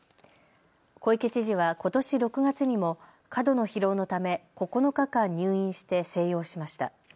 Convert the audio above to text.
小池知事はことし６月にも過度の疲労のため９日間、入院して静養しました。